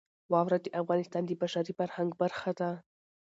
واوره د افغانستان د بشري فرهنګ برخه ده.